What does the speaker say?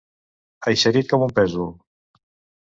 Eixerit com un pèsol.